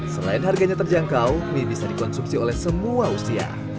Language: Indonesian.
selain harganya terjangkau mie bisa dikonsumsi oleh semua usia